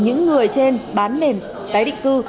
những người trên bán nền tái định cư